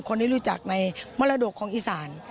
คนที่รู้จักในมรดกของอิศรารณ์